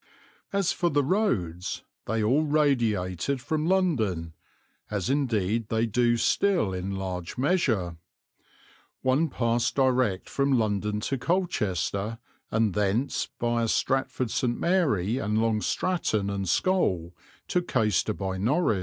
As for the roads they all radiated from London, as indeed they do still in large measure. One passed direct from London to Colchester and thence, viâ Stratford St. Mary and Long Stratton and Scole, to Caistor by Norwich.